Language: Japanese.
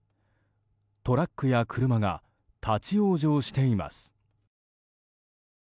トラックや車が立ち往生しています。